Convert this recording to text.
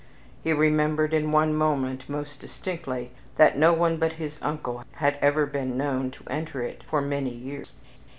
He remembered in one moment most distinctly, that no one but his uncle had ever been known to enter it for many years.